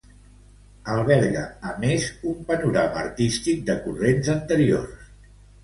Alberga a més un panorama artístic de corrents anteriors.